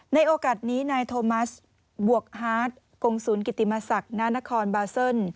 ในโอกาสนี้นายโทมัสบวกฮาร์ดกงศูนย์กิติมศักดิ์นานครบาซิล